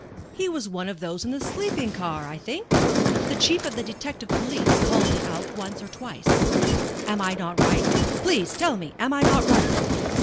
He was one of those in the sleeping car, I think? The Chief of the Detective Police called it out once or twice. Am I not right? Please tell me am I not right?"